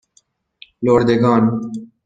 لردگان